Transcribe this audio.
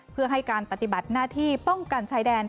เพื่อให้การปฏิบัติหน้าที่ป้องกันชายแดน